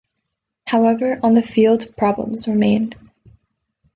However, on the field problems remained.